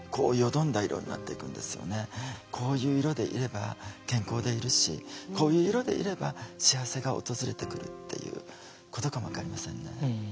こういう色でいれば健康でいるしこういう色でいれば幸せが訪れてくるっていうことかも分かりませんね。